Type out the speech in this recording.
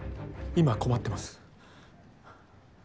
今困ってます。